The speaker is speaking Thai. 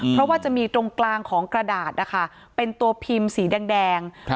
เพราะว่าจะมีตรงกลางของกระดาษนะคะเป็นตัวพิมพ์สีแดง